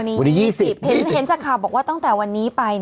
วันนี้๒๐เห็นจากข่าวบอกว่าตั้งแต่วันนี้ไป